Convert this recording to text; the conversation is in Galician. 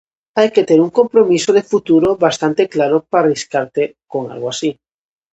Hai que ter un compromiso de futuro bastante claro para arriscarte con algo así.